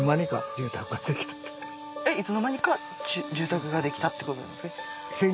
いつの間にか住宅ができたってことなんですね？